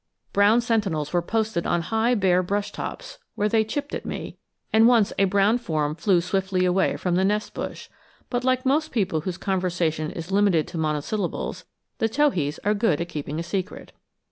Brown sentinels were posted on high bare brush tops, where they chipped at me, and once a brown form flew swiftly away from the nest bush; but like most people whose conversation is limited to monosyllables, the towhees are good at keeping a secret.